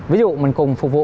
ví dụ mình cùng phục vụ